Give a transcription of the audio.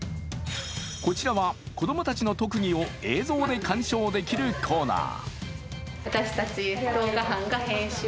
こちらは子供たちの特技を映像で鑑賞できるコーナー。